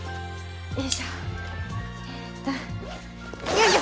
よいしょ！